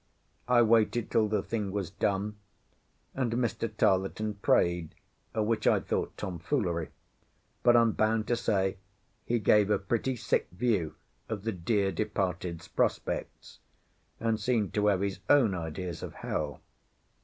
I waited till the thing was done; and Mr. Tarleton prayed, which I thought tomfoolery, but I'm bound to say he gave a pretty sick view of the dear departed's prospects, and seemed to have his own ideas of hell.